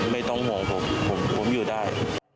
ไม่ต้องห่วงผมผมอยู่ได้